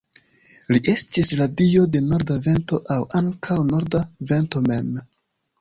Li estis la dio de norda vento aŭ ankaŭ norda vento mem.